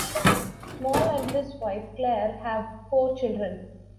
Small and his wife Clare have four children.